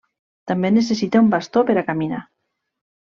També necessita un bastó per a caminar.